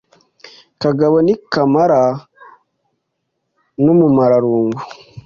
kangabo ni kamara n' umumararungu;